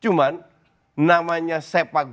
cuman namanya sepak bola